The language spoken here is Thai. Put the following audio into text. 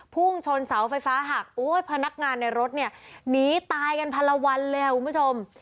พุ่งชนเสาไฟฟ้าหักโอ้ยพนักงานในรถเนี่ยหนีตายกันพันละวันเลยอ่ะคุณผู้ชม